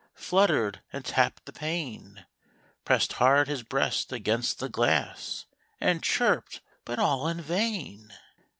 Fluttered, and tapped the pane, Pressed hard his breast against the glass, And chirped, — but all in vain